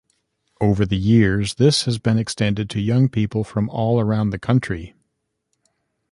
Over the years, this has extended to young people from all around the country.